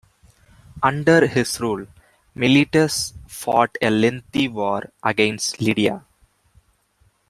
Under his rule, Miletus fought a lengthy war against Lydia.